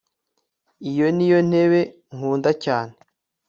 Iyo niyo ntebe nkunda cyane